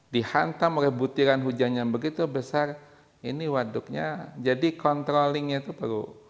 dihantam oleh butiran hujan yang begitu besar ini waduknya jadi controllingnya itu perlu